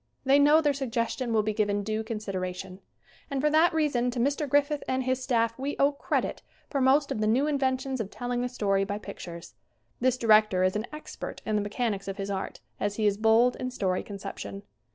They know their suggestion will be given due consideration. And for that reason to Mr. Griffith and his staff we owe credit for most of the new inven tions of telling a story by pictures. This di rector is as expert in the mechanics of his art as he is bold in story conception.